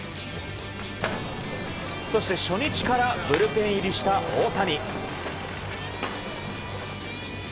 そして、初日からブルペン入りした大谷。